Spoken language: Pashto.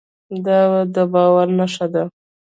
دا د باور نښه ده.